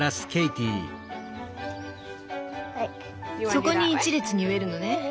そこに一列に植えるのね。